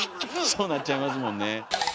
そうなっちゃいますもんね。